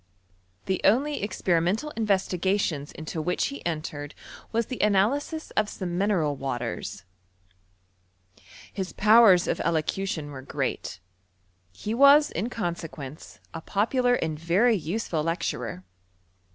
The only experimental investigations into which ha entered was the analysis of some mineral waters. OF ELECTRO CHEMISTRY. 269 His powers of elocution were great. He was, in consequence, a popular and very useful lecturer.